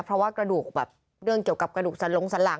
เพราะว่ากระดูกแบบเรื่องเกี่ยวกับกระดูกสันลงสันหลัง